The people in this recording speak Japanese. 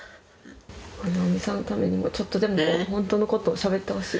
奈央美さんのためにも、ちょっとでも本当のことをしゃべってほしい？